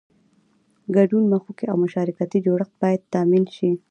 ګډون مخوکی او مشارکتي جوړښت باید تامین شي.